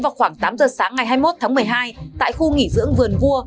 vào khoảng tám giờ sáng ngày hai mươi một tháng một mươi hai tại khu nghỉ dưỡng vườn vua